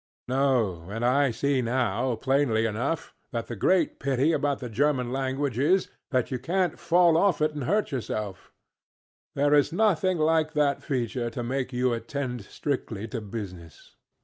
NoŌĆöand I see now, plainly enough, that the great pity about the German language is, that you canŌĆÖt fall off it and hurt yourself. There is nothing like that feature to make you attend strictly to business.